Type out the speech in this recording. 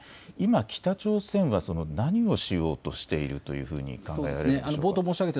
今、北朝鮮は何をしようとしているというふうに考えられるんでしょうか。